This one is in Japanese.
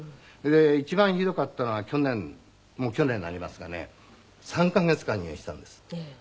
それで一番ひどかったのは去年もう去年になりますがね３カ月間入院したんです。